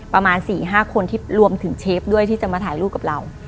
ประมาณ๔๕คนที่รวมถึงเชฟด้วยที่จะมาถ่ายรูปกับเรา